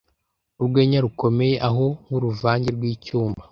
urwenya rukomeye aho nk'uruvange rw'icyuma